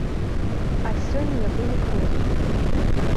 А сёння вынік розны.